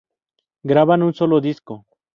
Graban un solo disco.